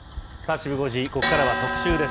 シブ５時、ここからは特集です。